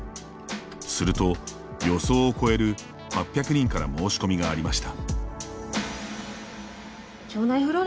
すると予想を超える８００人から申し込みがありました。